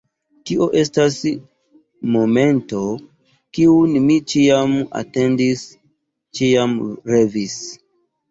Tio estas la momento, kiun mi ĉiam atendis, ĉiam revis.